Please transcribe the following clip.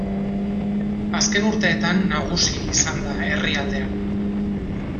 Azken urteetan nagusi izan da herrialdean.